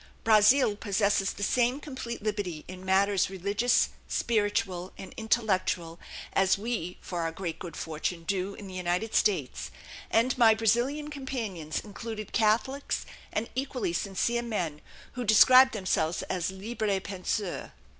Brazil possesses the same complete liberty in matters religious, spiritual, and intellectual as we, for our great good fortune, do in the United States, and my Brazilian companions included Catholics and equally sincere men who described themselves as "libres penseurs."